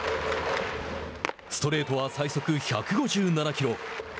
ストレートは最速１５７キロ。